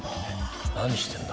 何してんだ？